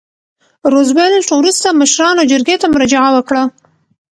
روزولټ وروسته مشرانو جرګې ته مراجعه وکړه.